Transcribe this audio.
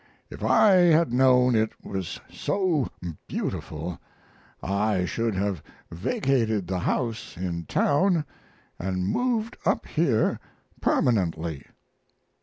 If I had known it was so beautiful I should have vacated the house in town and moved up here permanently."